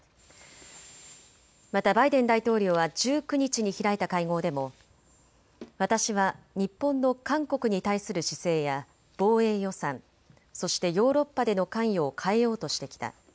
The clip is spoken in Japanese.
またバイデン大統領は１９日に開いた会合でも私は日本の韓国に対する姿勢や防衛予算、そしてヨーロッパでの関与を変えようとしてきた。